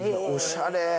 おしゃれ。